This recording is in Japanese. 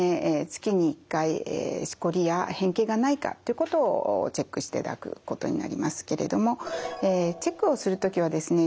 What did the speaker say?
月に１回しこりや変形がないかということをチェックしていただくことになりますけれどもチェックをする時はですね